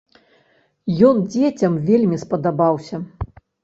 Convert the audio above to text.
Ён дзецям вельмі спадабаўся.